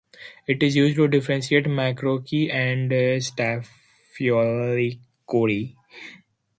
It is used to differentiate micrococci and staphylococci.